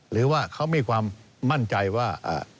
หรือว่าเขามีความมั่นใจว่า